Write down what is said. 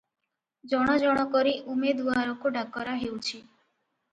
ଜଣ ଜଣ କରି ଉମେଦୁଆରକୁ ଡାକରା ହେଉଛି ।